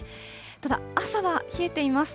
ただ、朝は冷えています。